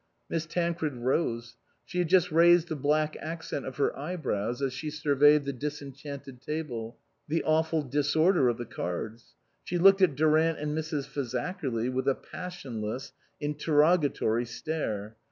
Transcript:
Miss Tancred rose. She just raised the black accent of her eyebrows as she surveyed the dis enchanted table, the awful disorder of the cards. She looked at Durant and Mrs. Fazakerly with a passionless, interrogatory stare.